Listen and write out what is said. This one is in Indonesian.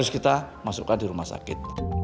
terus kita masukkan di rumah sakit